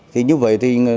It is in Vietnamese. thì như vậy thì